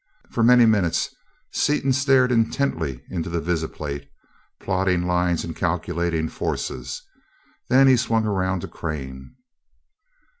For many minutes Seaton stared intently into the visiplate, plotting lines and calculating forces, then he swung around to Crane.